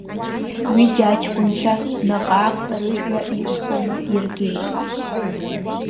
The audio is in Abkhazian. Ҩыџьа аҷкәынцәа наҟ-ааҟ рыжәҩа иқәҵаны иргет.